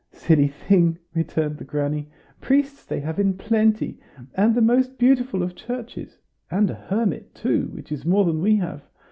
"Silly thing!" returned the granny. "Priests they have in plenty and the most beautiful of churches, and a hermit too, which is more than we have.